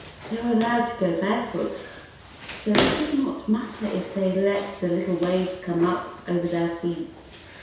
They were allowed to go barefoot, so it did not matter if they let the little waves come up over their feet.